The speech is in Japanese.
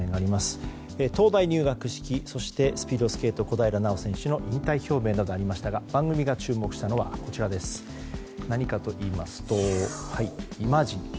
東大入学式スピードスケート小平奈緒選手の引退表明などありましたが番組が注目したのは「イマジン」。